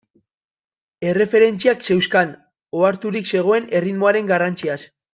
Erreferentziak zeuzkan, oharturik zegoen erritmoaren garrantziaz.